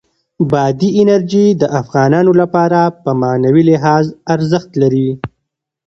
بادي انرژي د افغانانو لپاره په معنوي لحاظ ارزښت لري.